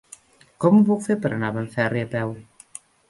Com ho puc fer per anar a Benferri a peu?